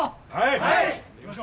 はい！